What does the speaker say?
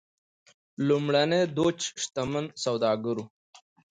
لومړنی دوج شتمن سوداګر و.